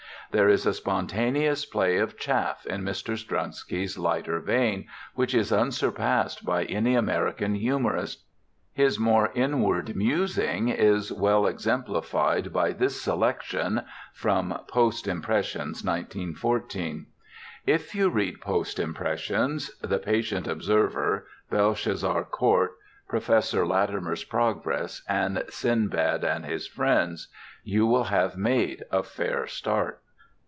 There is a spontaneous play of chaff in Mr. Strunsky's lighter vein which is unsurpassed by any American humorist; his more inward musing is well exemplified by this selection (from Post Impressions, 1914). If you read Post Impressions, The Patient Observer, Belshazzar Court, Professor Latimer's Progress and Sinbad and His Friends, you will have made a fair start.